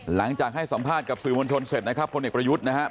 หลังจากให้สัมภาษณ์กับสื่อมวลชนเสร็จนะครับคนเอกประยุทธ์นะครับ